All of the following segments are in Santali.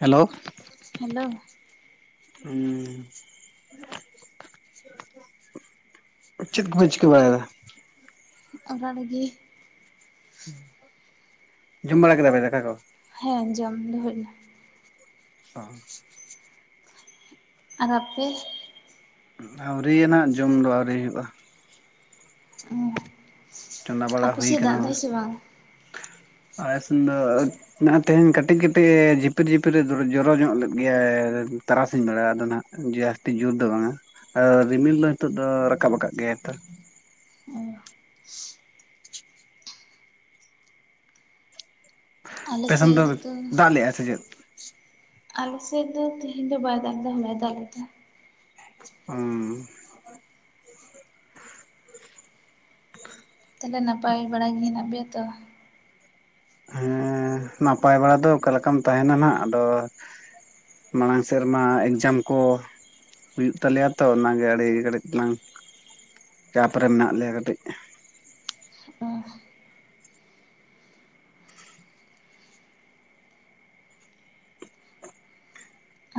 ᱦᱮᱞᱳ ᱦᱮᱞᱳ ᱦᱩᱸ ᱪᱮᱫ ᱠᱚᱯᱮ ᱪᱤᱠᱟᱹ ᱵᱟᱲᱟᱭᱫᱟ? ᱟᱵᱟᱨ ᱤᱫᱤ ᱡᱚᱢ ᱵᱟᱲᱟ ᱠᱮᱫᱟ ᱯᱮ ᱫᱟᱠᱟ ᱠᱚ? ᱦᱮᱸ ᱡᱚᱢ ᱫᱚ ᱦᱩᱭ ᱱᱟ᱾ ᱚᱸ ᱟᱨ ᱟᱯᱮ? ᱟᱹᱣᱨᱤᱭᱟ ᱱᱟᱜ ᱡᱚᱢ ᱫᱚ ᱟᱹᱣᱨᱤ ᱦᱩᱭᱩᱜ-ᱟ᱾ ᱚᱸ ᱪᱚᱸᱫᱟ ᱵᱟᱲᱟ ᱦᱩᱭ ᱠᱟᱱᱟ, ᱵᱟᱝ ᱟᱞᱮ ᱥᱮᱱ ᱫᱚ ᱱᱟᱜ ᱟ ᱛᱮᱦᱮᱧ ᱠᱟᱹᱴᱤᱡ ᱠᱟᱹᱴᱤᱡ ᱮ ᱡᱷᱤᱯᱤᱨ ᱡᱷᱤᱯᱤᱨᱮ ᱡᱚᱨᱚ ᱧᱚᱜ ᱞᱮᱫ ᱜᱮᱭᱟ ᱛᱟᱨᱟᱥᱤᱧ ᱵᱮᱲᱟ, ᱟᱫᱚ ᱱᱦᱟᱜ ᱡᱟᱹᱥᱛᱤ ᱡᱳᱨ ᱫᱚ ᱵᱟᱝᱟ ᱟᱨ ᱨᱤᱢᱤᱞ ᱫᱚ ᱦᱤᱛᱳ ᱫᱚ ᱨᱟᱠᱟᱵ ᱟᱠᱟᱫ ᱜᱮᱭᱟᱭ ᱛᱚ᱾ ᱟᱞᱮ ᱟᱯᱮ ᱥᱮᱡ ᱥᱮᱱ ᱫᱚ ᱫᱟᱜ ᱞᱮᱜᱼᱟ ᱥᱮ ᱪᱮᱫ? ᱟᱞᱮ ᱥᱮᱡ ᱫᱚ ᱛᱮᱦᱮᱧ ᱫᱚ ᱵᱟᱭ ᱫᱟᱜ ᱠᱟᱫᱟ ᱦᱚᱞᱟᱭ ᱫᱟ ᱠᱟᱫᱟ᱾ ᱚᱸᱢ ᱛᱟᱦᱞᱮ ᱱᱟᱯᱟᱭ ᱵᱟᱲᱟ ᱜᱮ ᱦᱮᱱᱟᱜ ᱯᱮᱭᱟ ᱛᱚ? ᱦᱮᱸ ᱱᱟᱯᱟᱭ ᱵᱟᱲᱟ ᱫᱚ ᱚᱠᱟᱞᱮᱠᱟᱢ ᱛᱟᱦᱮᱱᱟ ᱱᱦᱟᱜ ᱟᱫᱚ ᱢᱟᱲᱟᱝ ᱥᱮᱨᱢᱟ ᱮᱠᱡᱟᱢ ᱠᱚ ᱦᱩᱭᱩᱜ ᱛᱟᱞᱮᱭᱟ ᱛᱚ ᱚᱱᱟᱜᱮ ᱟᱹᱰᱤ ᱠᱟᱹᱴᱤᱡ ᱛᱟᱞᱟᱝ ᱪᱟᱯ ᱨᱮ ᱢᱮᱱᱟᱜ ᱞᱮᱭᱟ ᱠᱟᱹᱴᱤᱡ᱾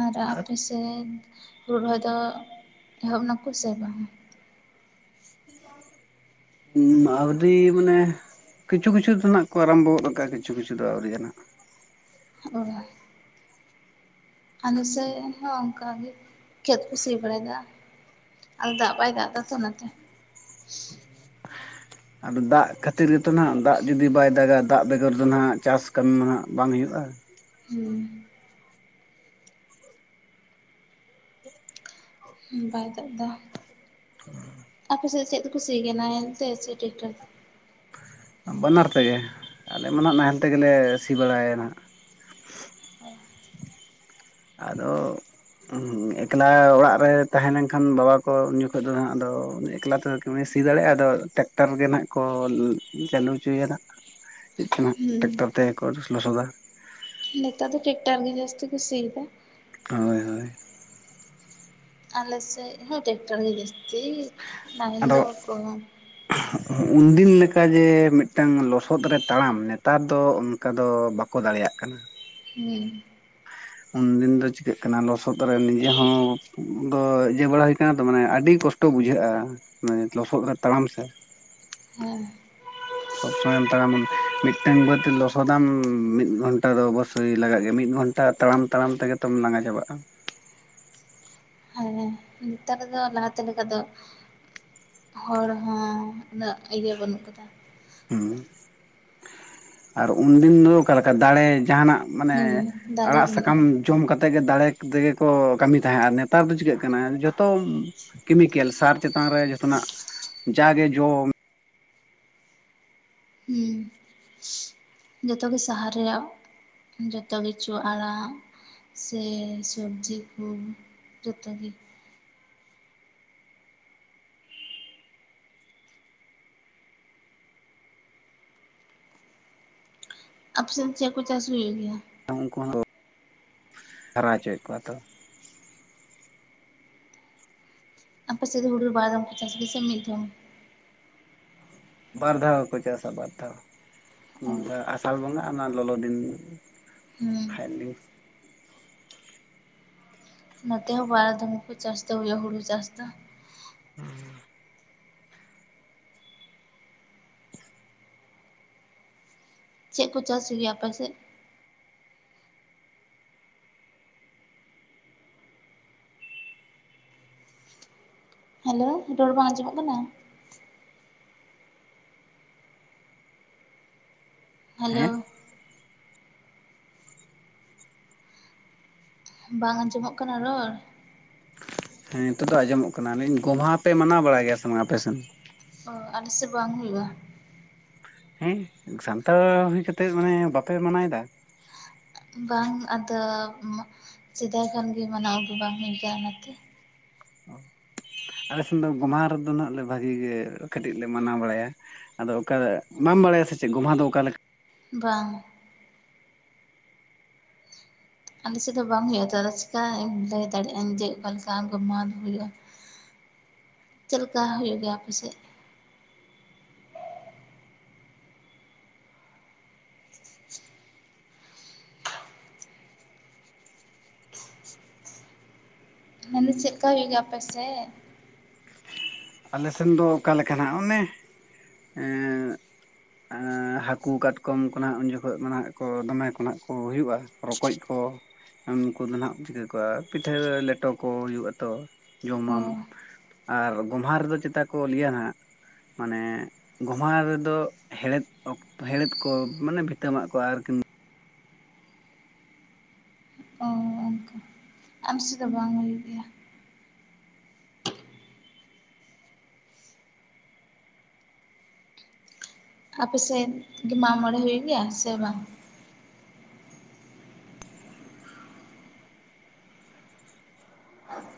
ᱟᱨ ᱟᱯᱮᱥᱮᱡ ᱦᱩᱲᱩ ᱨᱚᱦᱚᱭ ᱫᱚ ᱮᱦᱚᱵ ᱱᱟᱠᱩ ᱥᱮ ᱵᱟᱝ? ᱟᱹᱣᱨᱤ ᱢᱟᱱᱮ ᱠᱤᱪᱷᱩ ᱠᱤᱪᱷᱩ ᱫᱚ ᱱᱟᱜ ᱠᱚ ᱟᱨᱟᱢᱵᱚᱣ ᱜᱚ ᱠᱟᱫᱟ ᱠᱤᱪᱷᱩ ᱠᱤᱪᱷᱩ ᱫᱚ ᱟᱹᱣᱨᱤ ᱟᱱᱟᱜ᱾ ᱚ ᱟᱞᱮ ᱥᱮᱡ ᱦᱚᱸ ᱚᱝᱠᱟᱜ ᱜᱮ ᱠᱷᱮᱛ ᱠᱚ ᱥᱤ ᱵᱟᱲᱟᱭᱫᱟ᱾ ᱟᱫᱚ ᱫᱟᱜ ᱵᱟᱭ ᱫᱟᱜ ᱫᱟᱛᱚ ᱚᱱᱟᱛᱮ᱾ [inaudible] ᱟᱫᱚ ᱫᱟᱜ ᱠᱷᱟᱹᱛᱤᱨ ᱜᱮᱛᱚ ᱱᱦᱟᱜ ᱫᱟᱜ ᱡᱩᱫᱤ ᱵᱟᱭ ᱫᱟᱜᱟ ᱫᱟᱜ ᱵᱮᱜᱚᱨ ᱫᱚ ᱱᱦᱟᱜ ᱪᱟᱥ ᱠᱟᱹᱢᱤ ᱢᱟ ᱦᱟᱜ ᱵᱟᱝ ᱦᱩᱭᱩᱜ-ᱟ᱾ ᱦᱩᱸ᱾ ᱵᱟᱭ ᱫᱟᱜ ᱫᱟ᱾ ᱚᱸ ᱟᱯᱮ ᱥᱮᱡ ᱪᱮᱫ ᱛᱮᱠᱚ ᱥᱤ ᱜᱮᱭᱟ ᱱᱟᱦᱮᱞ ᱛᱮ ᱥᱮ ᱴᱮᱠᱴᱟᱨ ᱛᱮ? ᱵᱟᱱᱟᱨ ᱛᱮᱜᱮ ᱟᱞᱮ ᱢᱟ ᱱᱦᱟᱜ ᱱᱟᱦᱮᱞ ᱛᱮᱜᱮᱞᱮ ᱥᱤ ᱵᱟᱲᱟᱭ ᱱᱦᱟᱜ᱾ ᱟᱫᱚ ᱮᱠᱞᱟ ᱚᱲᱟᱜ ᱨᱮ ᱛᱟᱦᱮᱸ ᱞᱮᱝᱠᱷᱟᱱ ᱵᱟᱵᱟ ᱠᱚ ᱩᱱᱡᱚᱠᱷᱚᱡ ᱫᱚ ᱦᱟᱜ ᱟᱫᱚ ᱮᱠᱞᱟ ᱛᱮ ᱥᱤ ᱫᱟᱲᱮᱜ-ᱟ ᱟᱫᱚ ᱴᱮᱠᱴᱟᱨ ᱜᱮ ᱱᱦᱟᱜ ᱠᱚ ᱪᱟᱹᱞᱩ ᱚᱪᱚᱭ ᱭᱟ ᱱᱟᱜ᱾ ᱦᱩᱸ ᱴᱮᱠᱴᱟᱨ ᱛᱮᱜᱮ ᱠᱚ ᱞᱚᱥᱚᱫᱟ᱾ ᱱᱮᱛᱟᱨ ᱫᱚ ᱴᱮᱠᱴᱟᱨ ᱜᱮ ᱡᱟᱹᱥᱛᱤ ᱠᱩ ᱥᱤᱭᱮᱫᱟ᱾ ᱦᱚᱭ ᱦᱚᱭ᱾ ᱟᱞᱮ ᱥᱮᱜ ᱦᱚᱸ ᱴᱮᱠᱴᱟᱨ ᱜᱮ ᱡᱟᱹᱥᱛᱤ ᱱᱟᱦᱮᱞ ᱟᱫᱚ ᱫᱚ ᱚᱠᱚ᱾ ᱩᱱᱫᱤᱱ ᱞᱮᱠᱟ ᱡᱮ ᱢᱤᱫᱴᱟᱝ ᱞᱚᱥᱚᱫ ᱨᱮ ᱛᱟᱲᱟᱢ ᱱᱮᱛᱟᱨ ᱫᱚ᱾ ᱚᱱᱠᱟ ᱫᱚ ᱵᱟᱠᱚ ᱫᱟᱲᱮᱭᱟᱜ ᱠᱟᱱᱟ᱾ ᱦᱩᱸ [inaudible] ᱩᱱᱫᱤᱱ ᱫᱚ ᱪᱤᱠᱟᱹᱜ ᱠᱟᱱᱟ ᱞᱚᱥᱚᱫ ᱨᱮ ᱱᱤᱡᱮ ᱦᱚᱸ ᱫᱚ ᱤᱭᱟᱹ ᱵᱟᱲᱟ ᱦᱩᱭ ᱠᱟᱱᱟ ᱛᱚ ᱢᱟᱱᱮ ᱟᱹᱰᱤ ᱠᱚᱥᱴᱚ᱾ ᱠᱚᱥᱴᱚ ᱵᱩᱡᱷᱟᱹᱜᱼᱟ, ᱢᱟᱱᱮ ᱞᱚᱥᱚᱫ ᱨᱮ ᱛᱟᱲᱟᱢ ᱥᱮ᱾ ᱦᱮᱸ ᱥᱚᱵ ᱥᱚᱢᱚᱭᱮᱢ ᱛᱟᱲᱟᱢ ᱢᱤᱫᱴᱟᱝ ᱵᱟᱹᱫᱽ ᱞᱚᱥᱚᱫᱟᱢ ᱢᱤᱫ ᱜᱷᱚᱱᱴᱟ ᱫᱚ ᱚᱵᱚᱥᱳᱭ ᱞᱟᱜᱟᱜ ᱜᱮᱭᱟ, ᱢᱤᱫ ᱜᱷᱚᱱᱴᱟ ᱛᱟᱲᱟᱢ ᱛᱟᱲᱟᱢ ᱛᱮᱜᱮ ᱛᱚᱢ ᱞᱟᱸᱜᱟ ᱪᱟᱵᱟᱜᱼᱟ᱾ ᱦᱮᱸ᱾ ᱱᱮᱛᱟᱨ ᱫᱚ ᱞᱟᱦᱟ ᱛᱮ ᱞᱮᱠᱟ ᱫᱚ᱾ ᱦᱚᱲ ᱦᱚᱸ ᱩᱱᱟᱹᱜ ᱤᱭᱟᱹ ᱵᱟᱹᱱᱩᱜ ᱠᱟᱫᱟ᱾ ᱦᱩ ᱟᱨ ᱩᱱᱫᱤᱱ ᱫᱚ ᱚᱠᱟ ᱞᱮᱠᱟ ᱫᱟᱲᱮ ᱡᱟᱸᱦᱟᱱᱟᱜ᱾ ᱢᱟᱱᱮ, ᱦᱩᱸ ᱫᱟᱲᱮ ᱟᱲᱟᱜ ᱵᱟᱹᱱᱩᱜᱼᱟ ᱥᱟᱠᱟᱢ ᱡᱚᱢ ᱠᱟᱛᱮᱜ ᱜᱮ ᱫᱟᱲᱮ ᱛᱮᱜᱮ ᱠᱚ ᱠᱟᱹᱢᱤ ᱛᱟᱦᱮᱸᱜᱼᱟ, ᱱᱮ ᱱᱮᱛᱟᱨ ᱫᱚ ᱪᱤᱠᱟᱹᱜ ᱠᱟᱱᱟ ᱡᱚᱛᱚ ᱠᱮᱢᱤᱠᱮᱞ ᱥᱟᱨ ᱪᱮ ᱪᱮᱛᱟᱱ ᱨᱮ ᱡᱷᱚᱛᱚᱱᱟᱜ ᱡᱟᱜᱮ ᱡᱚᱢ᱾ ᱦᱩᱸ [inaudible] ᱡᱚᱛᱚ ᱜᱮ ᱥᱟᱦᱟᱨ ᱨᱮᱭᱟᱜ ᱡᱚᱛᱚ ᱠᱤᱪᱷᱩ ᱟᱲᱟᱜ᱾ ᱥᱮ ᱥᱚᱵᱡᱤ ᱠᱩ ᱡᱚᱛᱚ ᱜᱮ᱾ ᱟᱯᱮ ᱥᱮᱱ ᱪᱮᱫ ᱠᱚ ᱪᱟᱥ ᱦᱩᱭᱩᱜ ᱜᱮᱭᱟ? ᱩᱱᱠᱩ ᱠᱚ, ᱦᱟᱨᱟ ᱦᱚᱪᱚᱭᱮᱫ ᱠᱚᱣᱟ ᱛᱚ᱾ ᱟᱯᱮ ᱥᱮᱫ ᱦᱩᱲᱩ ᱵᱟᱨ ᱫᱚᱢ ᱠᱚ ᱪᱟᱥ ᱜᱮᱭᱟ ᱥᱮ ᱢᱤᱫ ᱫᱚᱢ᱾ ᱵᱟᱨᱫᱷᱟᱣ ᱠᱚ ᱪᱟᱥᱟ ᱵᱟᱨ ᱫᱷᱟᱣ᱾ ᱚ ᱱᱚᱝᱠᱟ ᱟᱥᱟᱞ ᱵᱚᱸᱜᱟ ᱟᱨ ᱱᱚᱣᱟ ᱞᱚᱞᱚ ᱫᱤᱱ ᱦᱩᱸ ᱦᱟᱭᱞᱤᱝ᱾ ᱱᱚᱛᱮ ᱦᱚᱸ ᱵᱟᱨ ᱫᱚᱢ ᱠᱚ ᱪᱟᱥ ᱫᱚ ᱦᱩᱭᱩᱜᱼᱟ ᱦᱩᱲᱩ ᱪᱟᱥ ᱫᱚ᱾ [inaudible] ᱪᱮᱫ ᱠᱚ ᱪᱟᱥ ᱜᱮᱭᱟ ᱟᱯᱮ ᱥᱮᱫ? ᱦᱮᱞᱳ, ᱨᱚᱲ ᱵᱟᱝ ᱟᱸᱡᱚᱢᱚᱜ ᱠᱟᱱᱟ᱾ ᱦᱮᱸ ᱦᱮᱞᱳ ᱵᱟᱝ ᱟᱸᱡᱚᱢᱚᱜ ᱠᱟᱱᱟ ᱨᱚᱲ᱾ ᱦᱮᱸ ᱱᱤᱛᱚᱜ ᱫᱚ ᱟᱸᱡᱚᱢᱚᱜ ᱠᱟᱱᱟ᱾ᱞᱟ. ᱭᱤᱫᱤᱧ ᱜᱚᱢᱦᱟ ᱯᱮ ᱢᱟᱱᱟᱣ ᱵᱟᱲᱟᱭ ᱜᱮᱭᱟ ᱥᱮ ᱵᱟᱝ ᱟᱯᱮ ᱥᱮᱱ᱾ ᱚ ᱟᱞᱮ ᱥᱮᱜ ᱵᱟᱝ ᱦᱩᱭᱩᱜᱼᱟ᱾ ᱦᱮᱸ ᱥᱟᱱᱛᱟᱲ ᱦᱩᱭ ᱠᱟᱛᱮᱫ ᱢᱟᱱᱮ ᱵᱟᱯᱮ ᱢᱟᱱᱟᱭ ᱮᱫᱟ᱾ ᱵᱟᱝ ᱟᱫᱚ᱾ ᱥᱮᱫᱟᱭ ᱠᱷᱚᱱ ᱜᱮ ᱢᱟᱱᱟᱣ ᱟᱜᱩ ᱵᱟᱝ ᱦᱩᱭ ᱟᱠᱟᱱᱟ ᱚᱱᱟᱛᱮ᱾ ᱟᱞᱮ ᱥᱮᱱ ᱫᱚ ᱜᱚᱢᱦᱟ ᱨᱮᱫᱚ ᱱᱟᱸᱜ ᱞᱮ ᱵᱷᱟᱜᱤ ᱜᱮ ᱠᱟᱹᱴᱤᱡ ᱞᱮ ᱢᱟᱱᱟᱣ ᱵᱟᱲᱟᱭᱟ᱾ ᱟᱫᱚ ᱚᱠᱟ ᱵᱟᱢ ᱵᱟᱲᱟᱭᱟ ᱥᱮ ᱪᱮᱫ ᱜᱚᱢᱦᱟ ᱫᱚ ᱚᱠᱟ ᱞᱮᱠᱟ᱾ ᱵᱟᱝ᱾ ᱟᱞᱮ ᱥᱮᱫ ᱫᱚ ᱵᱟᱝ ᱦᱩᱭᱩᱜᱼᱟ ᱛᱚ, ᱟᱫᱚ ᱪᱤᱠᱟ ᱞᱟᱹᱭ ᱫᱟᱲᱮᱭᱟᱜ ᱟ. ᱧ ᱡᱮ ᱚᱠᱟ ᱞᱮᱠᱟ ᱜᱚᱢᱦᱟ ᱫᱚ ᱦᱩᱭᱩᱜᱼᱟ᱾ ᱦ [inaudible] ᱪᱮᱫ ᱞᱮᱠᱟ ᱦᱩᱭᱩᱜ ᱜᱮᱭᱟ ᱟᱯᱮ ᱥᱮᱫ? [inaudible] ᱢᱮᱱᱫᱤᱧ ᱪᱮᱫ ᱠᱟ ᱦᱩᱭᱩᱜ ᱜᱮᱭᱟ ᱟᱯᱮ ᱥᱮᱫ? ᱟᱞᱮᱥᱮᱱ ᱫᱚ ᱚᱠᱟ ᱞᱮᱠᱟᱱᱟᱜ ᱚᱱᱮ ᱮᱸ ᱮᱸ ᱦᱟᱹᱠᱩ ᱠᱟᱴᱠᱚᱢ ᱠᱷᱚᱱᱟᱜ ᱩᱱ ᱡᱚᱠᱷᱚᱡ [unintelligible] ᱫᱚᱢᱮ ᱠᱷᱚᱱᱟᱜ ᱠᱚ ᱦᱩᱭᱩᱜ-ᱟ ᱨᱚᱠᱚᱡ ᱠᱚ᱾ ᱩᱱᱠᱩ ᱫᱚ ᱦᱟᱸᱜ ᱪᱤᱠᱟᱹ ᱠᱚᱣᱟ ᱯᱤᱴᱷᱟᱹ ᱞᱮᱴᱚ ᱠᱚ ᱦᱩᱭᱩᱜ-ᱟ ᱛᱚ ᱚ ᱡᱚᱢᱟᱢ᱾ ᱟᱨ ᱜᱳᱢᱦᱟ ᱨᱮᱫᱚ ᱪᱮᱛᱟ ᱠᱚ ᱞᱤᱭᱟ ᱦᱟᱸᱜ ᱢᱟᱱᱮ ᱜᱳᱢᱦᱟ ᱨᱮᱫᱚ ᱦᱮᱲᱮᱫ ᱚᱠᱛᱚ ᱦᱮᱲᱮᱫᱽ ᱠᱚ ᱢᱟᱱᱮ ᱵᱷᱤᱛᱟᱹᱢᱟᱜ ᱠᱚ ᱟᱨᱠᱤ ᱚ ᱚᱝᱠᱟ᱾ ᱟᱢᱥᱤ ᱫᱚ ᱵᱟᱝ ᱦᱩᱭᱩᱜ ᱜᱮᱭᱟ᱾ ᱟᱯᱮ ᱥᱮᱫ ᱜᱮ ᱢᱟᱜ ᱢᱚᱬᱮ ᱦᱩᱭᱩᱜ ᱜᱮᱭᱟ ᱥᱮ ᱵᱟᱝ?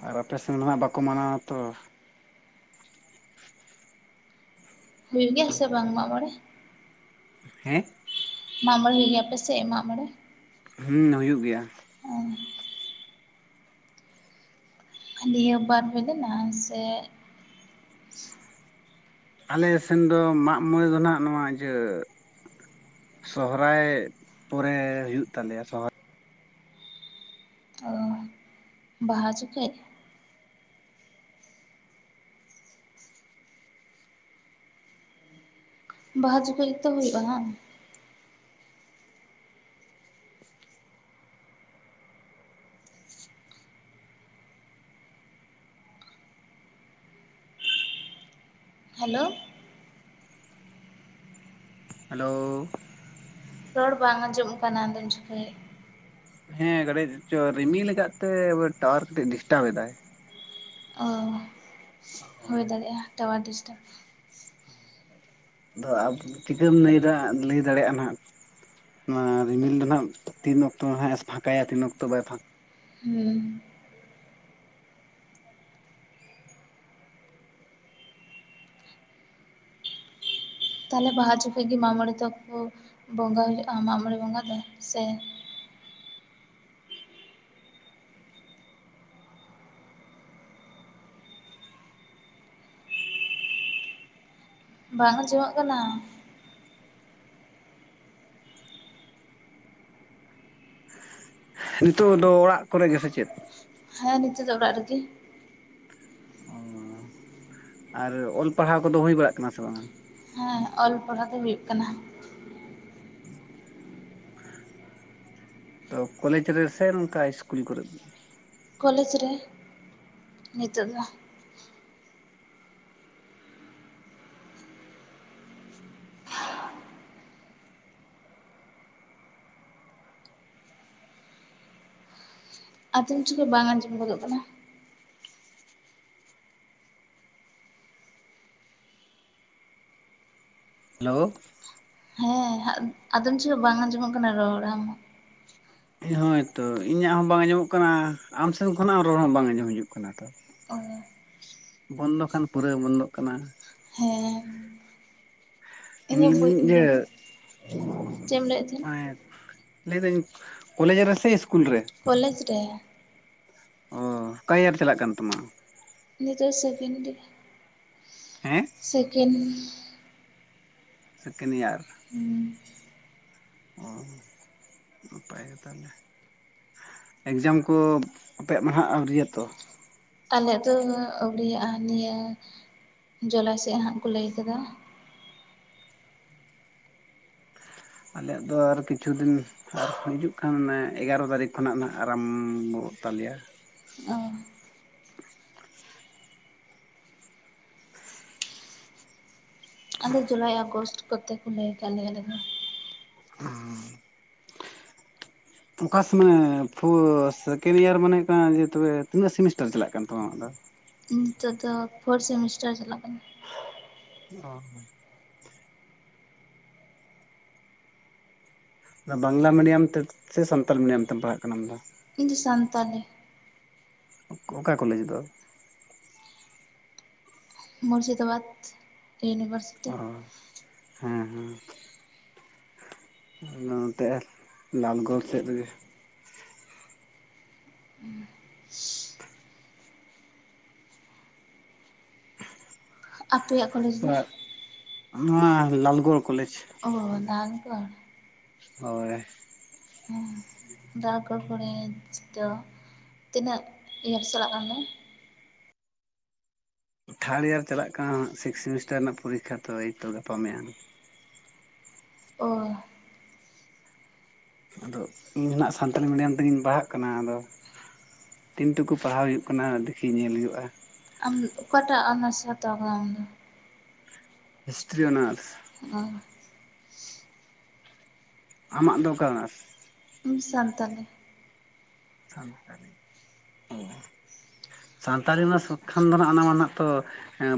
ᱟᱨ ᱟᱯᱮ ᱥᱮᱱ ᱢᱟ ᱵᱟᱠᱚ ᱢᱟᱱᱟᱣ-ᱟ ᱛᱚ᱾ ᱦᱩᱭᱩᱜ ᱜᱮᱭᱟ ᱥᱮ ᱵᱟᱝ ᱢᱟᱜ ᱢᱚᱬᱮ? ᱦᱮᱸ ᱢᱟᱜ ᱢᱚᱬᱮ ᱦᱩᱭᱩᱜ ᱜᱮᱭᱟ ᱟᱯᱮ ᱥᱮᱫ, ᱢᱟᱜ ᱢᱚᱬᱮ? ᱦᱩᱸ ᱦᱩᱭᱩᱜ ᱜᱮᱭᱟ᱾ ᱚ ᱱᱤᱭᱟᱹ ᱵᱟᱨ ᱦᱩᱭ ᱞᱮᱱᱟ ᱥᱮ ᱟᱞᱮ ᱥᱮᱱ ᱫᱚ ᱢᱟᱜ ᱢᱚᱬᱮ ᱫᱚ ᱱᱟᱸᱜ ᱱᱚᱣᱟ ᱤᱭᱟᱹ ᱥᱚᱦᱨᱟᱭ ᱯᱚᱨᱮ ᱦᱩᱭᱩᱜ ᱛᱟᱞᱮᱭ-ᱟ, ᱥᱚᱦᱨ ᱚ ᱵᱟᱦᱟ ᱡᱚᱠᱷᱮᱡ? ᱵᱟᱦᱟ ᱡᱚᱠᱷᱮᱡ ᱜᱮᱛᱚ ᱦᱩᱭᱩᱜ-ᱟ ᱦᱟᱝ? ᱦᱮᱞᱳ ᱦᱮᱞᱳ ᱨᱚᱲ ᱵᱟᱝ ᱟᱸᱡᱚᱢᱚᱜ ᱠᱟᱱᱟ ᱟᱫᱚᱢ ᱪᱤᱠᱟᱹᱭᱮᱫ? ᱦᱮᱸ ᱠᱟᱹᱴᱤᱡ ᱪᱚ ᱨᱤᱢᱤᱞ ᱠᱟᱫ ᱛᱮ ᱴᱟᱣᱟᱨ ᱠᱟᱴᱤᱡ ᱰᱤᱥᱴᱟᱵ ᱮᱫᱟᱭ᱾ ᱚ ᱦᱳᱭ ᱫᱟᱲᱮᱜ-ᱟ ᱴᱟᱣᱟᱨ ᱰᱤᱥᱴᱟᱵᱽ᱾ ᱟᱫᱚ ᱟ ᱪᱤᱠᱟᱹᱢ ᱞᱟᱹᱭᱫᱟ ᱞᱟᱹᱭ ᱫᱟᱲᱮᱜ-ᱟ ᱱᱟᱜ? ᱚᱱᱟ ᱨᱤᱢᱤᱞ ᱫᱚ ᱦᱟᱸᱜ ᱛᱤᱱ ᱚᱠᱛᱚ ᱦᱟᱸᱜ ᱮ ᱯᱷᱟᱸᱠᱟᱭᱟ ᱛᱤᱱ ᱚᱠᱛᱚ ᱵᱟᱭ ᱯᱷᱟᱸᱠ ᱦᱩᱸ ᱛᱟᱦᱟᱞᱮ ᱵᱟᱦᱟ ᱡᱚᱠᱷᱚᱡ ᱜᱮ ᱢᱟᱜ ᱢᱚᱬᱮ ᱛᱚᱠᱚ ᱵᱚᱸᱜᱟ ᱦᱩᱭᱩᱜ-ᱟ, ᱢᱟᱜ ᱢᱚᱬᱮ ᱵᱚᱸᱜᱟ ᱫᱚ ᱥᱮ ᱵᱟᱝ ᱟᱸᱡᱚᱢᱚᱜ ᱠᱟᱱᱟ᱾ ᱱᱤᱛᱳᱜ ᱫᱚ ᱚᱲᱟᱜ ᱠᱚᱨᱮ ᱜᱮ ᱥᱮ ᱪᱮᱫ? ᱦᱮᱸ ᱱᱤᱳᱜ ᱫᱚ ᱚᱲᱟᱜ ᱨᱮᱜᱮ᱾ ᱚ ᱟᱨ ᱚᱞ ᱯᱟᱲᱦᱟᱣ ᱠᱚᱫᱚ ᱦᱩᱭ ᱵᱟᱲᱟᱜ ᱠᱟᱱᱟ ᱥᱮ ᱵᱟᱝ? ᱦᱮᱸ ᱚᱞ ᱯᱟᱲᱦᱟᱣ ᱫᱚ ᱦᱩᱭᱩᱜ ᱠᱟᱱᱟ᱾ [inaudible] ᱛᱚ ᱠᱚᱞᱮᱡᱽ ᱨᱮ ᱥᱮ ᱱᱚᱝᱠᱟ ᱤᱥᱠᱩᱞ ᱠᱚᱨᱮ? ᱠᱚᱞᱮᱡᱽ ᱨᱮ ᱱᱤᱛᱳᱜ ᱫᱚ᱾ ᱟᱫᱚᱢ ᱡᱚᱠᱷᱮᱡ ᱵᱟᱝ ᱟᱸᱡᱚᱢ ᱜᱚᱫᱚᱜ ᱠᱟᱱᱟ᱾ ᱦᱮᱞᱳ ᱦᱮᱸ ᱟᱫᱚᱢ ᱡᱚᱦᱚᱜ ᱵᱟᱝ ᱟᱸᱡᱚᱢᱚᱜ ᱠᱟᱱᱟ ᱨᱚᱲ ᱟᱢ ᱦᱳᱭ ᱛᱚ ᱤᱧᱟᱹᱜ ᱦᱚᱸ ᱵᱟᱝ ᱟᱸᱡᱚᱢᱚᱜ ᱠᱟᱱᱟ, ᱟᱢᱥᱮᱱ ᱠᱷᱚᱱᱟᱜ ᱨᱚᱲ ᱦᱚᱸ ᱵᱟᱝ ᱟᱸᱡᱚᱢ ᱦᱤᱡᱩᱜ ᱠᱟᱱᱟ ᱛᱚ᱾ ᱚ ᱵᱚᱱᱫᱚ ᱠᱷᱟᱱ ᱯᱩᱨᱟᱹ ᱵᱚᱱᱫᱚᱜ ᱠᱟᱱᱟ᱾ ᱦᱮᱸ ᱩᱸᱻ ᱤᱧᱟᱹᱜ ᱵᱟᱹᱧ ᱟᱸᱡᱚᱢ ᱤᱭᱟᱹ ᱪᱮᱫ ᱮᱢ ᱞᱟᱹᱭᱮᱫ ᱛᱟᱦᱮᱫ? ᱞᱟᱹᱭ ᱫᱟᱹᱧ ᱠᱚᱞᱮᱡᱽ ᱨᱮᱥᱮ ᱤᱥ ᱠᱚᱞᱮᱡᱽ ᱨᱮ ᱾ ᱚᱻ, ᱚᱠᱟ ᱤᱭᱟᱨ ᱪᱟᱞᱟᱜ ᱠᱟᱱ ᱛᱟᱢᱟ? ᱱᱤᱛᱚᱜ ᱥᱮᱠᱮᱱᱰ ᱜᱮ᱾ [inaudible] ᱦᱮᱸ? ᱥᱮᱠᱮᱱᱰ ᱾ Second year. ᱦᱩᱸ ᱾ ᱚ ᱱᱟᱯᱟᱭ ᱜᱮᱛᱚ ᱾ [inaudible] ᱮᱠᱡᱟᱢ ᱠᱚ ᱟᱯᱮᱭᱟᱜ ᱢᱟᱦᱟᱜ ᱟᱹᱣᱨᱤᱭᱟ ᱛᱚ ᱾ ᱟᱞᱮᱭᱟᱜ ᱫᱚ ᱱᱚᱣᱟ ᱟᱹᱣᱨᱤᱭᱟᱜ-ᱟ, ᱱᱤᱭᱟᱹ ᱡᱚᱞᱟᱭ ᱥᱮᱫ ᱦᱟᱸᱜ ᱠᱚ ᱞᱟᱹᱭ ᱟᱠᱟᱫᱟ ᱾ ᱟᱞᱮᱭᱟᱜ ᱫᱚ ᱟᱨ ᱠᱤᱪᱷᱩ ᱫᱤᱱ ᱟᱨ ᱦᱤᱡᱩᱜ ᱠᱟᱱ ᱚᱱᱮ ᱮᱜᱟᱨᱚ ᱛᱟᱹᱨᱤᱠᱷ ᱠᱷᱚᱱᱟᱜ ᱱᱟᱜ ᱟᱨᱟᱢᱵᱚᱜ ᱛᱟᱞᱮᱭᱟ ᱾ ᱚ ᱾ ᱟᱞᱮ ᱡᱩᱞᱟᱭ ᱟᱜᱚᱥᱴ ᱠᱚᱛᱮ ᱠᱚ ᱞᱟᱹᱭ ᱟᱠᱟᱫ ᱞᱮᱭᱟ ᱟᱞᱮ ᱫᱚ ᱾ ᱦᱩᱸ ᱾ ᱚᱠᱟ [unintelligible] ᱥᱮᱠᱮᱱᱰ ᱤᱭᱟᱨ ᱢᱟᱱᱮ ᱠᱟᱱᱟ ᱡᱮ ᱛᱚᱵᱮ ᱛᱤᱱᱟᱹᱜ ᱥᱮᱢᱤᱥᱴᱟᱨ ᱪᱟᱞᱟᱜ ᱠᱟᱱ ᱛᱟᱢᱟ ᱟᱢᱟᱜ ᱫᱚ? ᱱᱤᱛᱚᱜ ᱫᱚ ᱯᱷᱳᱨ ᱥᱮᱢᱤᱥᱴᱟᱨ ᱪᱟᱞᱟᱜ ᱠᱟᱱᱟ ᱾ ᱚ ᱾ ᱵᱟᱝᱞᱟ ᱢᱤᱰᱤᱭᱟᱢ ᱛᱮ ᱥᱮ ᱥᱟᱱᱛᱟᱞ ᱢᱤᱰᱤᱭᱟᱢ ᱛᱮᱢ ᱯᱟᱲᱦᱟᱜ ᱠᱟᱱᱟᱢ ᱟᱢ ᱫᱚ? ᱤᱧ ᱫᱚ ᱥᱟᱱᱛᱟᱞᱤ ᱾ [inaudible] ᱚᱠᱟ ᱠᱚᱞᱮᱡᱽ ᱫᱚ? ᱢᱩᱨᱥᱤᱫᱟᱵᱟᱫᱽ ᱤᱭᱩᱱᱤᱵᱷᱟᱨᱥᱤᱴᱤ ᱚ ᱾ ᱦᱮᱸ ᱦᱮᱸ ᱾ ᱟ ᱱᱚᱛᱮ ᱞᱟᱞᱜᱚᱲ ᱥᱮᱫ ᱨᱮᱜᱮ ᱾ ᱟᱯᱮᱭᱟᱜ ᱠᱚᱞᱮᱡᱽ ᱫᱚ? ᱱᱚᱣᱟ ᱞᱟᱞᱜᱚᱲ ᱠᱚᱞᱮᱡᱽ ᱾ ᱚᱻ ᱞᱟᱞᱜᱚᱲ ᱾ ᱦᱳᱭ ᱾ ᱦᱮ ᱞᱟᱞᱜᱚᱲ ᱠᱚᱞᱮᱡᱽ ᱫᱚ ᱛᱤᱱᱟᱹᱜ ᱤᱭᱟᱨ ᱪᱟᱞᱟᱜ ᱠᱟᱱ ᱛᱟᱢᱟ? ᱛᱷᱟᱲ ᱤᱭᱟᱨ ᱪᱟᱞᱟᱜ ᱠᱟᱱᱟ, ᱥᱤᱠᱥ ᱥᱮᱢᱤᱥᱴᱟᱨ ᱨᱮᱱᱟᱜ ᱯᱚᱨᱤᱠᱷᱟ ᱛᱚ ᱮᱭᱛᱚ ᱜᱟᱯᱟ ᱢᱮᱭᱟᱝ ᱾ ᱚᱻ ᱟᱫᱚ ᱤᱧ ᱦᱚᱱ ᱦᱟᱜ ᱥᱟᱱᱛᱟᱞᱤ ᱢᱤᱰᱤᱭᱟᱢ ᱛᱮᱜᱤᱧ ᱯᱟᱲᱦᱟᱜ ᱠᱟᱱᱟ ᱾ ᱟᱫᱚ ᱛᱤᱱ ᱴᱩᱠᱩ ᱯᱟᱲᱦᱟᱣ ᱦᱩᱭᱩᱜ ᱠᱟᱱᱟ ᱫᱮᱠᱷᱤ ᱧᱮᱞ ᱦᱩᱭᱩᱜ-ᱟ ᱾ ᱟᱢ ᱚᱠᱟᱴᱟᱜ ᱚᱱᱟᱨᱥ ᱦᱟᱛᱟᱣ ᱟᱠᱟᱫᱟᱢ ᱟᱢ ᱫᱚ? History honours. ᱚᱸ ᱾ ᱟᱢᱟᱜ ᱫᱚ ᱚᱠᱟ ᱚᱱᱟᱨᱥ? ᱤᱧ ᱥᱟᱱᱛᱟᱞᱤ ᱾ [unintelligible] ᱚᱻ ᱥᱟᱱᱛᱟᱞᱤ [unintelligible] ᱠᱷᱟᱱ ᱫᱚ ᱦᱟᱸᱜ ᱚᱱᱟ ᱢᱟ ᱱᱟᱜ ᱛᱚ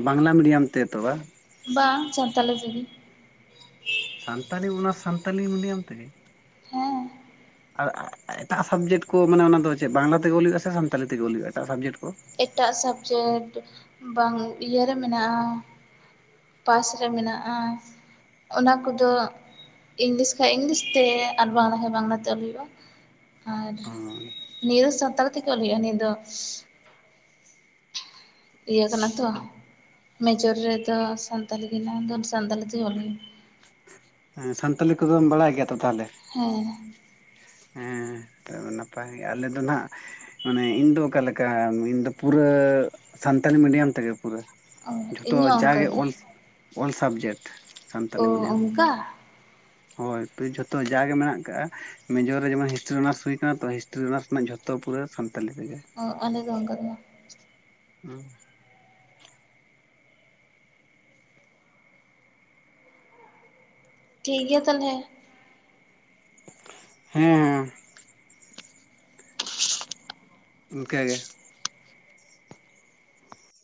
ᱵᱟᱝᱞᱟ ᱢᱤᱰᱤᱭᱟᱢ ᱛᱮ ᱛᱚ ᱵᱟᱝ? ᱵᱟᱝ ᱥᱟᱱᱛᱟᱞᱤ ᱛᱮᱜᱤ ᱾ ᱥᱟᱱᱛᱟᱞᱤ ᱚᱱᱟᱨᱥ ᱥᱟᱱᱛᱟᱞᱤ ᱢᱤᱰᱤᱭᱟᱢ ᱛᱮᱜᱮ? ᱦᱮᱸ, ᱟᱨ ᱮᱴᱟᱜ ᱥᱟᱵᱡᱮᱠᱴ ᱠᱚ ᱢᱟᱱᱮ ᱚᱱᱟ ᱫᱚ ᱪᱮᱫ ᱵᱟᱝᱞᱟ ᱛᱮᱜᱮ ᱚᱞ ᱦᱩᱭᱩᱜᱼᱟ ᱥᱮ ᱥᱟᱱᱛᱟᱞᱤ ᱛᱮᱜᱮ ᱚᱞ ᱦᱩᱭᱩᱜᱼᱟ ᱮᱴᱟᱜ ᱥᱟᱵᱡᱮᱠᱴ ᱠᱚ? ᱮᱴᱟᱜ ᱥᱟᱵᱽᱡᱮᱠᱴ ᱵᱟᱝ ᱤᱭᱟᱹᱨᱮ ᱢᱮᱱᱟᱜᱼᱟ ᱯᱟᱥ ᱨᱮ ᱢᱮᱱᱟᱜᱼᱟ ᱾ ᱚᱱᱟ ᱠᱚᱫᱚ ᱤᱝᱞᱤᱥ ᱠᱷᱟᱡ ᱤᱝᱞᱤᱥᱛᱮ ᱟᱨ ᱵᱟᱝᱞᱟ ᱠᱷᱟᱡ ᱵᱟᱝᱞᱟᱛᱮ ᱚᱞ ᱦᱩᱭᱩᱜᱼᱟ ᱟᱨ [unintelligible] ᱱᱤᱭᱟᱹ ᱥᱟᱱᱛᱟᱲ ᱛᱮᱜᱮ ᱚᱞ ᱦᱩᱭᱩᱜᱼᱟ ᱱᱤᱭᱟᱹ ᱫᱚ᱾ ᱤᱭᱟᱹ ᱠᱟᱱᱟ ᱛᱚ ᱢᱮᱡᱚᱨ ᱨᱮᱫᱚ ᱥᱟᱱᱛᱟᱞᱤ ᱜᱮ ᱢᱮᱱᱟᱜᱼᱟ ᱫᱚ ᱥᱟᱱᱛᱟᱞᱤ ᱛᱮᱜᱮ ᱚᱞ ᱦᱩᱭᱩᱜᱼᱟ᱾ ᱦᱮᱸ ᱥᱟᱱᱛᱟᱞᱤ ᱠᱚᱫᱚᱚᱢ ᱵᱟᱲᱟᱭ ᱜᱮᱭᱟ ᱛᱚ ᱛᱟᱦᱚᱞᱮ? ᱦᱮᱸ, ᱦᱮᱸ ᱱᱤᱛᱚᱜ ᱫᱚ ᱱᱟᱯᱟᱭᱜᱮ ᱟᱞᱮ ᱫᱚ ᱱᱟᱸᱜ ᱢᱟᱱᱮ ᱤᱧ ᱫᱚ ᱚᱠᱟᱞᱮᱠᱟ ᱤᱧ ᱫᱚ ᱯᱩᱨᱟᱹ ᱥᱟᱱᱛᱟᱞᱤ ᱢᱤᱰᱤᱭᱟᱢ ᱛᱮᱜᱮ ᱯᱩᱨᱟᱹ᱾ ᱚ ᱡᱷᱚᱛᱚ ᱤᱧ ᱦᱚᱸ ᱚᱱᱠᱟ ᱡᱟᱜᱮ ᱜᱮ ᱚᱞ, ᱚᱞ ᱥᱟᱵᱡᱮᱴ᱾ ᱚ ᱚᱝᱠᱟ, ᱦᱳᱭ [unintelligible] ᱡᱷᱚᱛᱚ ᱡᱟᱜᱮ ᱢᱮᱱᱟᱜ ᱟᱠᱟᱜ-ᱟ ᱢᱮᱡᱚᱨ ᱨᱮ ᱡᱮᱢᱚᱱ ᱦᱤᱥᱴᱨᱤ ᱚᱱᱟᱨᱥ ᱦᱩᱭ ᱟᱠᱟᱱᱟ ᱛᱚ ᱦᱤᱥᱴᱨᱤ ᱚᱱᱟᱨᱥ ᱨᱮᱱᱟᱜ ᱡᱷᱚᱛᱚ ᱯᱩᱨᱟᱹ ᱥᱟᱱᱛᱟᱞᱤ ᱛᱮᱜᱮ᱾ ᱚ ᱟᱞᱮ ᱫᱚ ᱚᱱᱠᱟ ᱫᱚ ᱵᱟᱝ᱾ [inaudible] ᱴᱷᱤᱠ ᱜᱮᱭᱟ ᱛᱟᱦᱞᱮ᱾ ᱦᱮᱸ ᱦᱮᱸ, [inaudible] ᱤᱱᱠᱟᱹ ᱜᱮ᱾